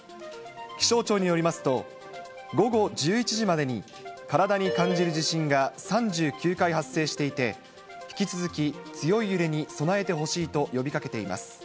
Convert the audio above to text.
気象庁によりますと、午後１１時までに体に感じる地震が３９回発生していて、引き続き強い揺れに備えてほしいと呼びかけています。